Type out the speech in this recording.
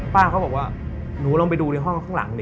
ป้าเขาบอกว่าหนูลองไปดูในห้องข้างหลังดิ